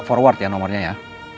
nggak forward ya nomernya ya